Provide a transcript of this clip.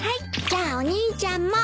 じゃあお兄ちゃんも。